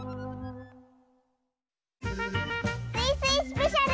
「スイスイスペシャル」！